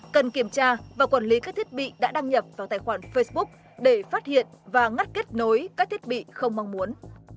cần kiểm tra và quản lý các thiết bị đã đăng nhập vào tài khoản facebook để phát hiện và ngắt kết nối các thiết bị không mong muốn